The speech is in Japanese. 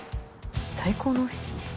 最高のオフィス？